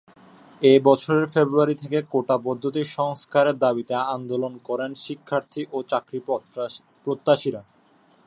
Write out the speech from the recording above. এ বছরের ফেব্রুয়ারি থেকে কোটাপদ্ধতির সংস্কারের দাবিতে আন্দোলন করেন শিক্ষার্থী ও চাকরিপ্রত্যাশীরা।